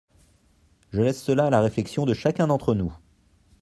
Je laisse cela à la réflexion de chacun d’entre nous.